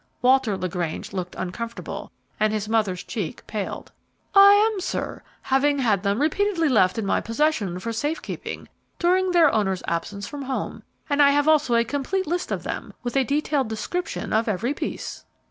Walter LaGrange looked uncomfortable and his mother's cheek paled. "I am, sir; having had them repeatedly left in my possession for safe keeping during their owner's absence from home; and I have also a complete list of them, with a detailed description of every piece."